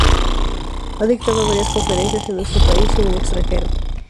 Ha dictado varias conferencias en nuestro país y en el extranjero.